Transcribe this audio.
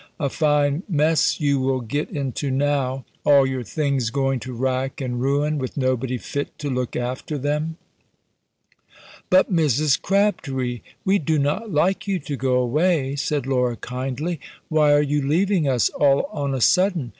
A fine mess you will get into now! All your things going to rack and ruin, with nobody fit to look after them!" "But, Mrs. Crabtree! we do not like you to go away," said Laura, kindly. "Why are you leaving us all on a sudden?